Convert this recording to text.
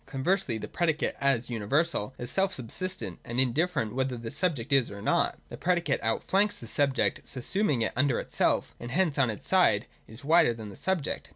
Conversely, the predicate as universal is self sub sistent, and indifferent whether this subject is or not. The predicate outflanks the subject, subsuming it under itself: and hence on its side is wider than the subject.